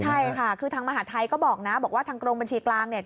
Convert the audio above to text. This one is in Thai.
ใช่ค่ะคือทางมหาทัยก็บอกนะบอกว่าทางกรมบัญชีกลางเนี่ย